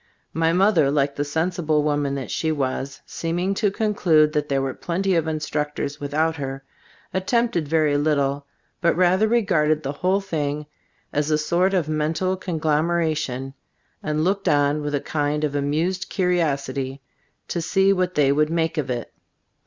My mother, like the sensible woman that she was, seeming to conclude that there were plenty of instructors with out her, attempted very little, but rather regarded the whole thing as a sort of mental conglomeration, and looked on with a kind of amused curi osity to see what they would make of it.